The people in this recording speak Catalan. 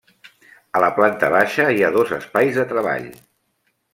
A la planta baixa hi ha dos espais de treball.